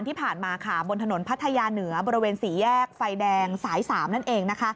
ที่ผ่านมาค่ะบนถนนพัทยาเหนือบริเวณสี่แยกไฟแดงสาย๓นั่นเองนะคะ